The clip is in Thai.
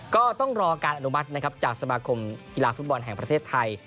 ก็ต้องรอการอนุมัตินะครับจากสมาคมกีฬาฟุตบอลแห่งประเทศไทย